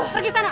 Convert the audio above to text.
pergi ke sana